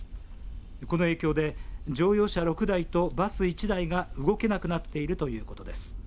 この影響で乗用車６台とバス１台が動けなくなっているということです。